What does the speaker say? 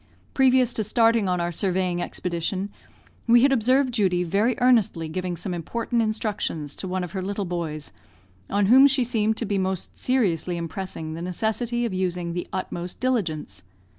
Previous to starting on our surveying expedition, we had observed Judy very earnestly giving some important instructions to one of her little boys, on whom she seemed to be most seriously impressing the necessity of using the utmost diligence.